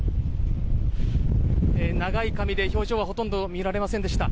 長い髪で表情はほとんど見られませんでした。